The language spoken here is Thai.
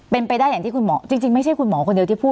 เป็นไปได้อย่างที่คุณหมอจริงไม่ใช่คุณหมอคนเดียวที่พูด